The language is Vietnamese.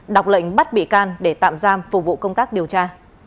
đọc lệnh bắt bị can để tạm giam phục vụ công tác điều tra